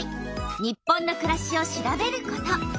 「日本のくらし」を調べること。